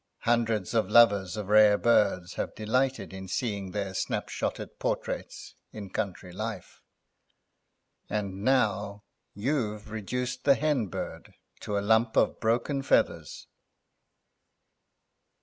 Hundreds of lovers of rare birds have delighted in seeing their snap shotted portraits in Country Life, and now you've reduced the hen bird to a lump of broken feathers."